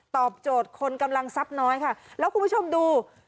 ตอบโจทย์คนกำลังทรัพย์น้อยค่ะแล้วคุณผู้ชมดู